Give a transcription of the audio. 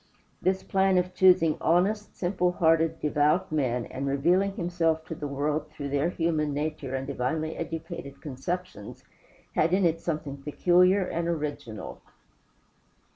This plan of choosing honest, simple hearted, devout men, and revealing himself to the world through their human nature and divinely educated conceptions, had in it something peculiar and original.